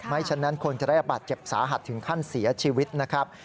ฉะนั้นคนจะได้รับบาดเจ็บสาหัสถึงขั้นเสียชีวิตนะครับ